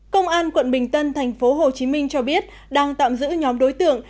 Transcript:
công an quận bình tân thành phố hồ chí minh cho biết đang tạm giữ nhóm đối tượng